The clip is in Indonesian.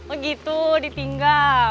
oh gitu ditinggal